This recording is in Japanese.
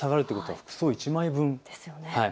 服装１枚分です。